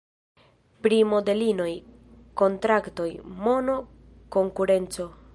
Pri modelinoj, kontraktoj, mono, konkurenco.